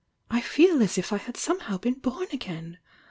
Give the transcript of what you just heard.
"I feel as if I had somehow been born again!